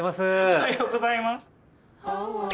おはようございます！